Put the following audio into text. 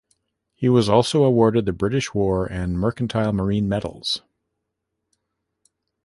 He was also awarded the British War and Mercantile Marine Medals.